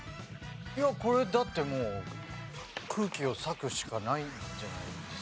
いやこれだってもう空気を裂くしかないじゃないですか？